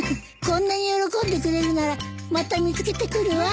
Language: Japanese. こんなに喜んでくれるならまた見つけてくるわ。